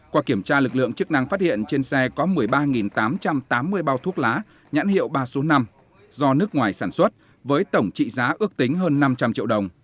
qua kiểm tra lực lượng chức năng phát hiện trên xe có một mươi ba tám trăm tám mươi bao thuốc lá nhãn hiệu ba số năm do nước ngoài sản xuất với tổng trị giá ước tính hơn năm trăm linh triệu đồng